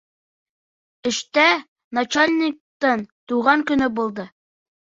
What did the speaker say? Эштә, начальниктың тыуған көнө булды.